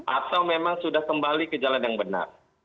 atau memang sudah kembali ke jalan yang benar